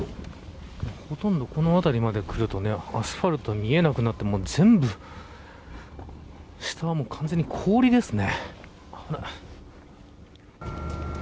ほとんど、この辺りまで来るとアスファルト見えなくなって全部、下は完全に氷ですね。